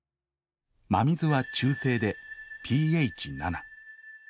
真水は中性でｐＨ７．０。